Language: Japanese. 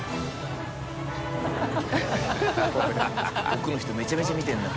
奥の人めちゃめちゃ見てるな。